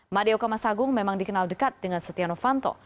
madeo kamasagung memang dikenal dekat dengan setia novanto